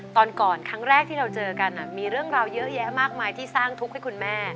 ตอนก่อนครั้งแรกที่เราเจอกันมีเรื่องราวเยอะแยะมากมายที่สร้างทุกข์ให้คุณแม่